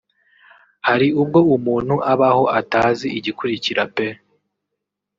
Hari ubwo umuntu abaho atazi igikurikira pe